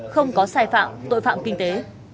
không có sai phạm tội phạm kinh tế